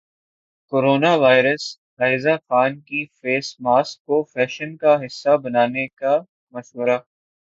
corona virus Ayeza Khan کا face mask کو fashion کا حصہ بنانے کا مشورہ